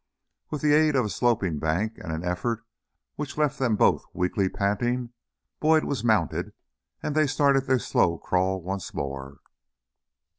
With the aid of a sloping bank and an effort which left them both weakly panting, Boyd was mounted and they started their slow crawl once more.